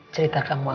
cerita kamu akan